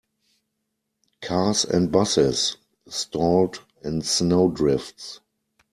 Cars and busses stalled in snow drifts.